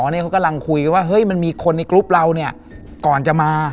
นี่เขากำลังคุยกันว่าเฮ้ยมันมีคนในกรุ๊ปเราเนี่ยก่อนจะมา